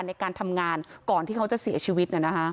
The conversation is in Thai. ในการทำงานก่อนที่เขาจะเสียชีวิตเนี่ยนะคะ